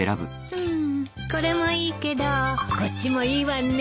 うーんこれもいいけどこっちもいいわね。